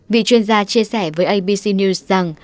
vị chuyên gia chia sẻ với abc news rằng